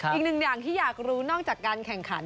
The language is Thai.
อีกหนึ่งอย่างที่อยากรู้นอกจากการแข่งขัน